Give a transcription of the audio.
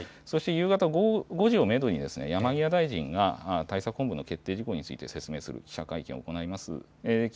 そして夕方５時をメドに、山際大臣が、対策本部の決定事項について説明する記者会見を行います。